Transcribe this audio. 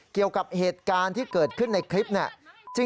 เกี่ยวกับเหตุการณ์ที่เกิดขึ้นในคลิปเนี่ย